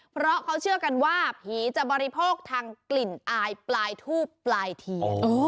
เพราะเขาเชื่อกันว่าผีจะบริโภคทางกลิ่นอายปลายทูบปลายเทียน